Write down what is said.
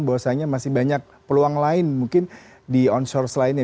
bahwasanya masih banyak peluang lain mungkin di onshore selainnya